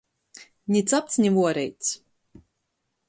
Ni capts, ni vuoreits.